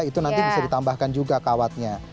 itu nanti bisa ditambahkan juga kawatnya